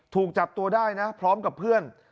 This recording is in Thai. ถูกจับตัวได้นะพร้อมกับเพื่อน